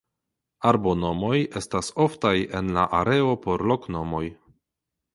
Arbonomoj estas oftaj en la areo por loknomoj.